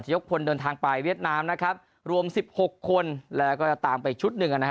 ยกคนเดินทางไปเวียดนามนะครับรวม๑๖คนและก็ตามไปชุดหนึ่งนะครับ